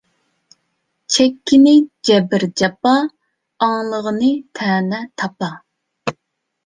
چەككىنى جەبىر-جاپا، ئاڭلىغىنى تەنە-تاپا.